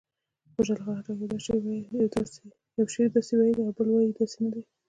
خوشحال خټک یو شعر داسې ویلی او بل وایي داسې نه دی.